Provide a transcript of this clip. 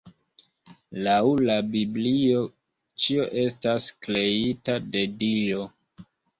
Laŭ la Biblio ĉio estas kreita de Dio.